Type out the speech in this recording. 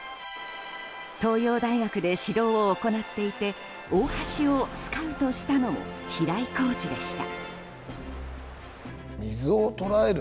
東洋大学で指導を行っていて大橋をスカウトしたのも平井コーチでした。